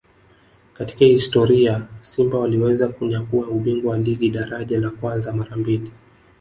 katika historia Simba waliweza kunyakua ubingwa wa ligi daraja la kwanza mara mbili